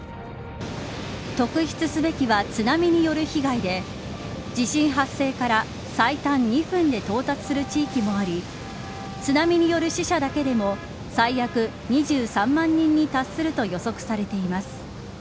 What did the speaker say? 特筆すべきは、津波による被害で地震発生から最短２分で到達する地域もあり津波による死者だけでも最悪２３万人に達すると予測されています。